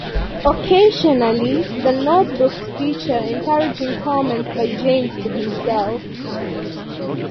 Occasionally the "Notebooks" feature encouraging comments by James to himself.